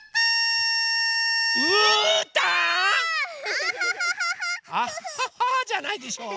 アハハじゃないでしょ。